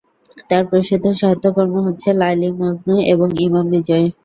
তার প্রসিদ্ধ সাহিত্যকর্ম হচ্ছে লায়লী-মজনু এবং ইমাম বিজয়।